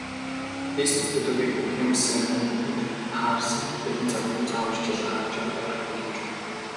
Бизнес төдийгүй бүх юмс, хүн бүхэнд таарсан бэлэн зааварчилгаа, жор байх боломжгүй.